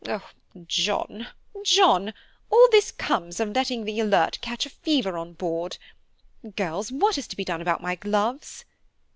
Oh, John, John, this all comes of your letting the Alert catch a fever on board. Girls, what is to be done about my gloves?"